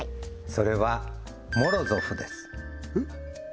それはモロゾフですえっ？